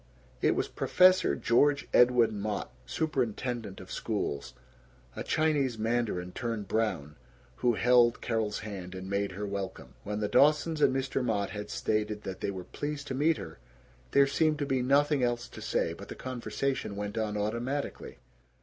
It was "Professor" George Edwin Mott, superintendent of schools, a Chinese mandarin turned brown, who held Carol's hand and made her welcome. When the Dawsons and Mr. Mott had stated that they were "pleased to meet her," there seemed to be nothing else to say, but the conversation went on automatically.